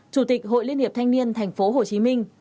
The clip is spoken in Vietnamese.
chủ tịch hội liên hiệp thanh niên tp hcm